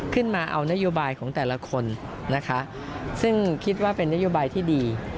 ขึ้นมาเอานโยบายของแต่ละคนนะคะซึ่งคิดว่าเป็นนโยบายที่ดี